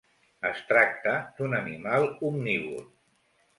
Es tracta d'un animal omnívor.